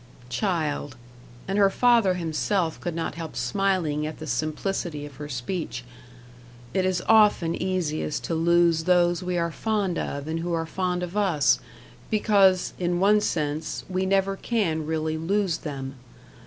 "Child" and her father himself could not help smiling at the simplicity of her speech "it is often easiest to lose those we are fond of and who are fond of us, because, in one sense, we never can really lose them.